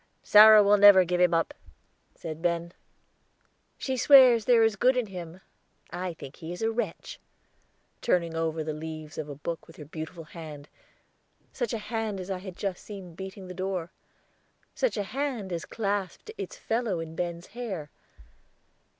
"Sarah will never give him up," said Ben. "She swears there is good in him. I think he is a wretch," turning over the leaves of a book with her beautiful hand, such a hand as I had just seen beating the door such a hand as clasped its fellow in Ben's hair.